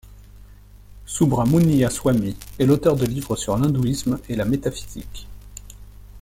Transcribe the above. Subramuniyaswami est l’auteur de livres sur l’hindouisme et la métaphysique.